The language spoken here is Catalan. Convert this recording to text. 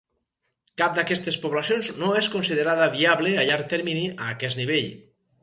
Cap d'aquestes poblacions no és considerada viable a llarg termini a aquest nivell.